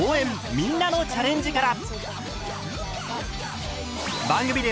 みんなのチャレンジ」から！